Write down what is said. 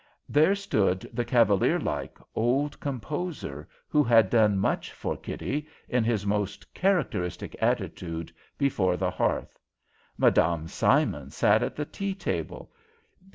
There stood the cavalier like old composer, who had done much for Kitty, in his most characteristic attitude, before the hearth. Mme. Simon sat at the tea table.